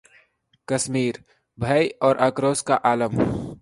कश्मीरः भय और आक्रोश का आलम